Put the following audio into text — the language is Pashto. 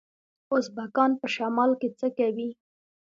ازبکان په شمال کې څه کوي؟